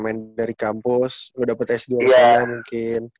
kalian main dari kampus lu dapet sd lu sama mungkin